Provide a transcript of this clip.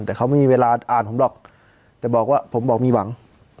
แต่เขาไม่มีเวลาอ่านผมหรอกแต่บอกว่าผมบอกมีหวัง